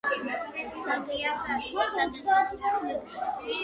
სააგენტო თურქეთის ტრანსპორტის, ზღვაოსნობის და კომუნიკაციების სამინისტროს ქვედანაყოფია.